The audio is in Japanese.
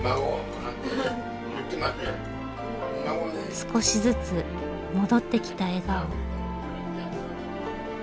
少しずつ戻ってきた笑顔。